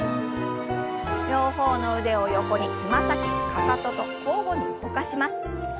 両方の腕を横につま先かかとと交互に動かします。